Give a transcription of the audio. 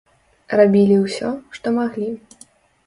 Рабілі ўсё, што маглі.